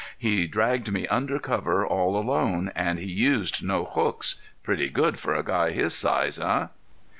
He dragged me in under cover all alone, and he used no hooks. Pretty good for a guy his size, eh?